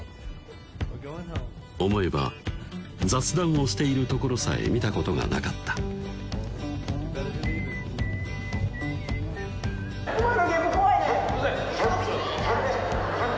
思えば雑談をしているところさえ見たことがなかったお前のゲップ怖いねんゲップすいません